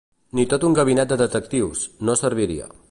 Ni tot un gabinet de detectius, no serviria.